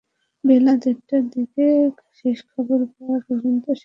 বেলা দেড়টার দিকে শেষ খবর পাওয়া পর্যন্ত শিক্ষার্থীরা সড়ক অবরোধ করে রেখেছেন।